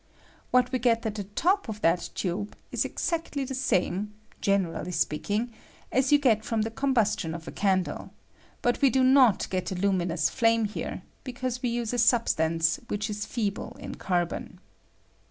What we get at the top of that tube is exactly the same, generally speaking, as you get from the combustion of a candle ; but we do not get a luminous flame here, because we use a substance which is feeble in carbon.